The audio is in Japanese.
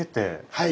はい。